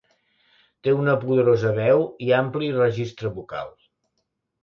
Té una poderosa veu i ampli registre vocal.